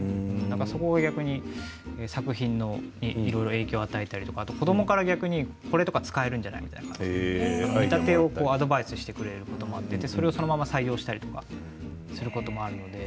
そこは逆に作品に影響を与えたり子どもから逆にこれ使えるんじゃないのと見立てをアドバイスしてくれることもあってそれをそのまま採用したりとかすることもあるので。